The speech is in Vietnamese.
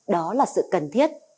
đó là sự cần thiết